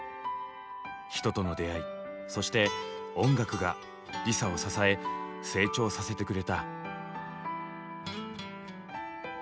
人との出会いそして音楽がＬｉＳＡを支え成長させてくれた。